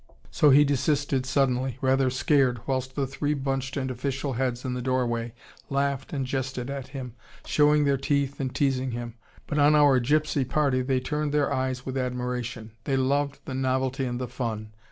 So he desisted suddenly, rather scared, whilst the three bunched and official heads in the doorway laughed and jested at him, showing their teeth and teasing him. But on our gypsy party they turned their eyes with admiration. They loved the novelty and the fun.